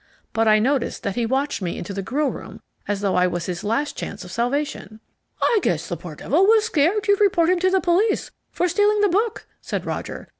But I noticed that he watched me into the grill room as though I was his last chance of salvation." "I guess the poor devil was scared you'd report him to the police for stealing the book," said Roger.